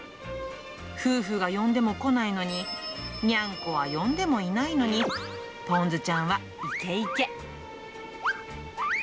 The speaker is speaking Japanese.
夫婦が呼んでも来ないのに、ニャンコは呼んでもいないのに、ぽんずちゃんはいけいけ。